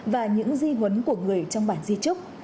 và những di huấn của người trong bản di trúc